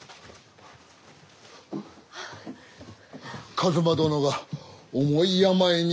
一馬殿が重い病に。